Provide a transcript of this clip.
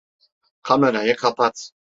Kamerayı kapat.